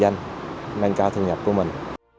danh nâng cao thu nhập của mình